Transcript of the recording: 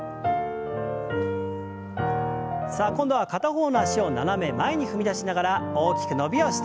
さあ今度は片方の脚を斜め前に踏み出しながら大きく伸びをして。